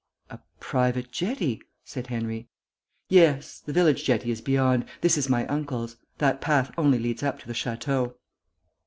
"A private jetty," said Henry. "Yes. The village jetty is beyond. This is my uncle's. That path only leads up to the Château."